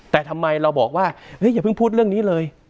แต่ทำไมเราบอกว่าอย่าเพิ่งพูดเรื่องนี้เลย